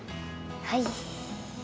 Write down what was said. はい。